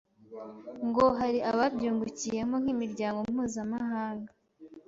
ngo hari ababyungukiyemo nk’imiryango mpuzamahanga